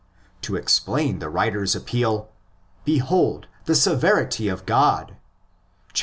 To explain the writer's appeal, '' Behold the severity of God "' (ide......